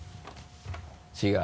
違う？